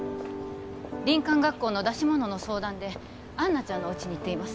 林間学校の出し物の相談でアンナちゃんのおうちに行っています